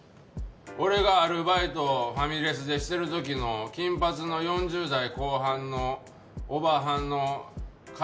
俺がアルバイトをファミレスでしてる時の金髪の４０代後半のおばはんの帰る時の挨拶。